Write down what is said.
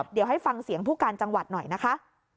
เดี๋ยวให้ฟังเสียงผู้การจังหวัดหน่อยนะคะ